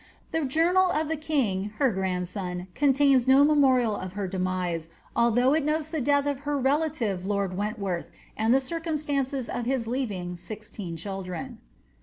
The journal of the king, her grandHon, contains no memorial of her demise, although it notes the death of her relative lord Wentworth, and the circumstance of his leaving sixteen children.